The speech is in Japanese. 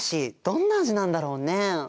どんな味なんだろう？